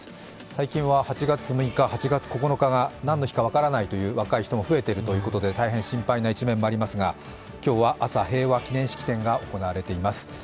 最近は８月６日、８月９日が何の日か分からないという人も増えているということで、大変心配な一面もありますが今日は朝、平和記念式典が行われています。